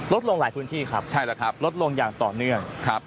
ลดลงหลายพื้นที่ครับใช่แล้วครับลดลงอย่างต่อเนื่องครับ